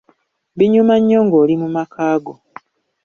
Binyuma nnyo ng'oli mu maka go.